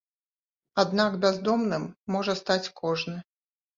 Аднак бяздомным можа стаць кожны.